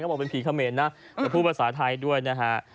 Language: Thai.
บอกเป็นผีเขมรนะแต่พูดภาษาไทยด้วยนะฮะ